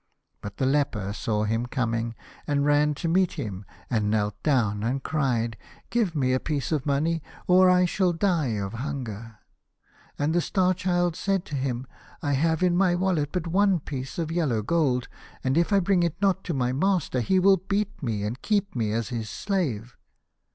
But the leper saw him coming, and ran to meet him, and knelt down and cried, " Give me a piece of money or I shall die of hunger." And the Star Child said to him, " I have in my wallet but one piece of yellow gold, and it I bring it not to my master he will beat me and keep me as his slave.